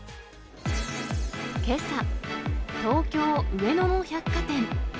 けさ、東京・上野の百貨店。